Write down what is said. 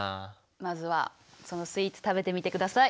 まずはそのスイーツ食べてみてください。